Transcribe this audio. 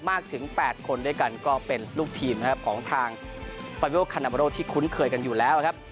มากถึง๘คนด้วยกันก็เป็นลูกทีมของทางตอนเวียลคานาโมโลที่คุ้นเคยกันอยู่แล้วนะครับ